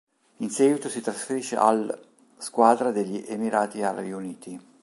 In seguito si trasferisce all', squadra degli Emirati Arabi Uniti.